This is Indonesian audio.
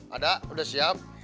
ada udah siap